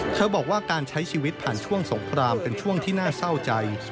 บอกว่าการใช้ชีวิตผ่านช่วงสงครามเป็นช่วงที่น่าเศร้าใจ